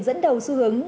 dẫn đầu xu hướng